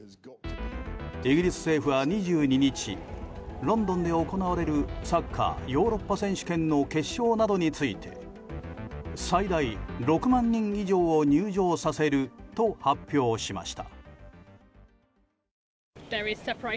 イギリス政府は、２２日ロンドンで行われるサッカーヨーロッパ選手権の決勝などについて最大６万人以上を入場させると発表しました。